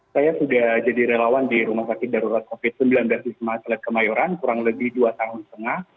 saya sudah jadi relawan di rumah sakit darurat covid sembilan belas wisma atlet kemayoran kurang lebih dua tahun setengah